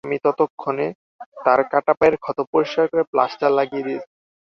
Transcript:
আমি ততক্ষণে তাঁর কাটা পায়ের ক্ষত পরিষ্কার করে প্লাস্টার লাগিয়ে দিয়েছি।